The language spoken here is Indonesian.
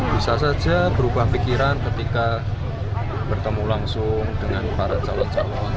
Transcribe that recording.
bisa saja berubah pikiran ketika bertemu langsung dengan para calon calon